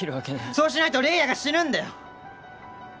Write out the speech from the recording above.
そうしないと玲矢が死ぬんだよ！